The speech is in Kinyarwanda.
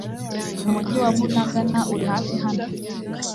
umujyi wa Bunagana uri hafi hano